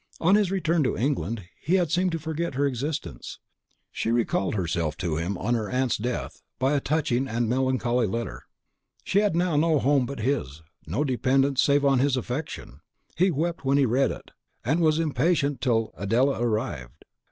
On his return to England, he had seemed to forget her existence. She recalled herself to him on her aunt's death by a touching and melancholy letter: she had now no home but his, no dependence save on his affection; he wept when he read it, and was impatient till Adela arrived.